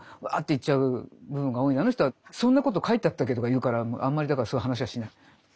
あの人は「そんなこと書いてあったっけ？」とか言うからあんまりだからそういう話はしない。